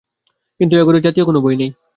কিন্তু ঘরে এ জাতীয় কোনো বই নেই।